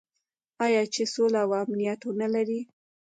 آیا چې سوله او امنیت ونلري؟